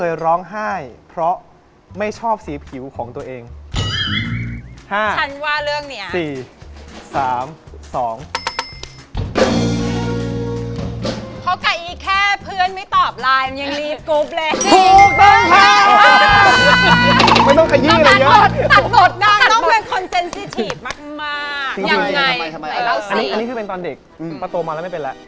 ยังไงเล่าสิอันนี้คือเป็นตอนเด็กประตูมันแล้วไม่เป็นแล้ว